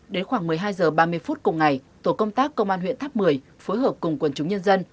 đến khoảng một mươi hai h ba mươi phút cùng ngày tổ công tác công an huyện tháp một mươi phối hợp cùng quần chúng nhân dân